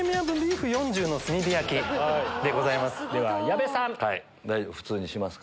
では矢部さん。